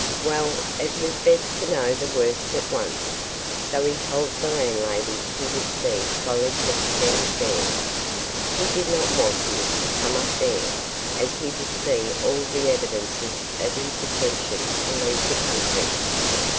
Well, it was best to know the worst at once, so he told the landlady he would see Gollipeck downstairs. He did not want him to come up there, as he would see all the evidences of his intention to leave the country.